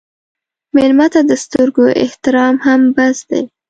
مېلمه ته د سترګو احترام هم بس دی.